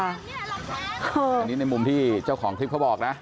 อันนี้ในมุมที่เจ้าของคลิปเขาบอกนะ